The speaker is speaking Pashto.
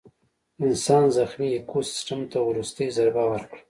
انسان زخمي ایکوسیستم ته وروستۍ ضربه ورکړه.